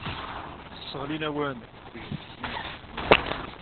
Sseɣlin-awen deg tfesna.